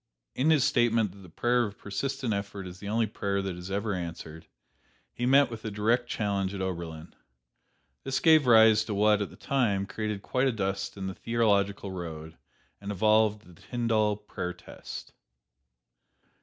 In his statement that the prayer of persistent effort is the only prayer that is ever answered, he met with a direct challenge at Oberlin. This gave rise to what, at the time, created quite a dust in the theological road, and evolved "The Tyndall Prayer Test."